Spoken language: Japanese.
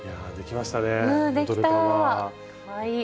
かわいい。